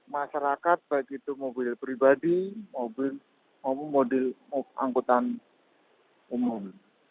masyarakat baik itu mobil pribadi mobil angkutan umum